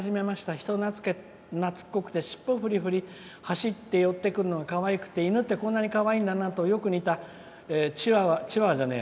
人なつっこくて尻尾ふりふり走って寄ってくるのがかわいくて、犬ってこんなにかわいいんだなってよく似たチワワチワワじゃねえや。